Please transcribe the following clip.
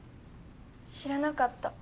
知らなかった。